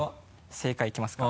正解いきますか。